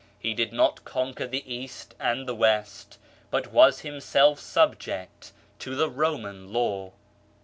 He did not conquer the East and the West, but was Himself subject to the Roman Law.